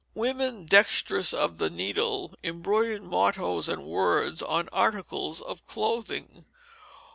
Women dexterous of the needle embroidered mottoes and words on articles of clothing.